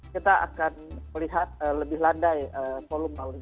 kita akan melihat lebih landai volumenya